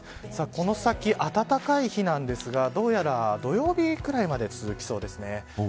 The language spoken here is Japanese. この先暖かい日なんですが、どうやら土曜日ぐらいまで続きそうです。